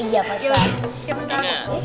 iya pak ustadz